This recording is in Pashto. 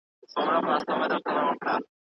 د نورو سره ښه چلند وکړئ.